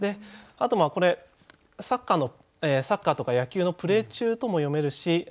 あとこれサッカーとか野球のプレー中とも読めるし